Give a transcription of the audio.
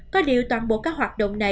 có điều toàn bộ các hoạt động này